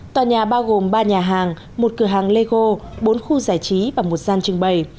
tòa nhà bao gồm ba nhà hàng một cửa hàng lego bốn khu giải trí và một gian trưng bày